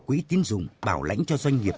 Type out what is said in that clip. quỹ tiến dụng bảo lãnh cho doanh nghiệp